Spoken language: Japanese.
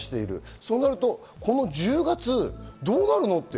そうなると１０月どうなるの？と。